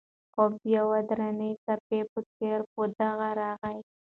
خوب د یوې درنې څپې په څېر په ده راغی.